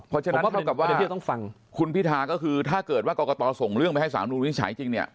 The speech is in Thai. เพราะฉะนั้นคุณพิทาก็คือถ้าเกิดว่ากอกตอส่งเรื่องไปให้สามรูปนี้ใช้จริงเนี่ย